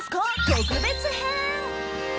特別編。